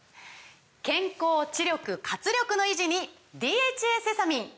健康・知力・活力の維持に「ＤＨＡセサミン」！